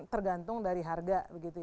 tergantung dari harga